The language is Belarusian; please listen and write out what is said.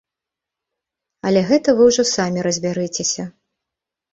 Але гэта вы ўжо самі разбярыцеся.